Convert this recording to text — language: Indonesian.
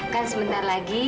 kan sebentar lagi